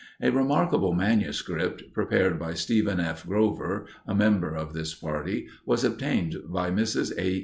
A remarkable manuscript, prepared by Stephen F. Grover, a member of this party, was obtained by Mrs. A.